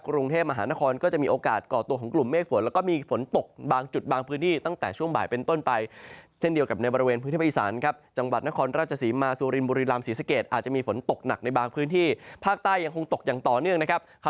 กรุงเทพมหานครก็จะมีโอกาสก่อตัวของกลุ่มเมฆฝน